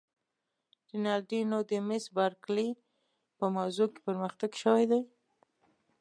رینالډي: نو د مس بارکلي په موضوع کې پرمختګ شوی دی؟